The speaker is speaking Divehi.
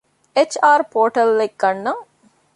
އެޗް.އާރު ޕޯޓަލްއެއް ގަންނަން